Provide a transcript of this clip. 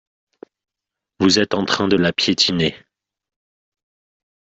Vous êtes en train de la piétiner.